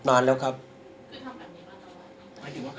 คุณพูดไว้แล้วตั้งแต่ต้นใช่ไหมคะ